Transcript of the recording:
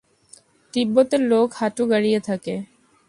তিব্বতের লোক হাঁটু গাড়িয়া থাকে।